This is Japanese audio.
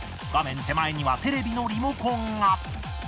画面手前にはテレビのリモコンが。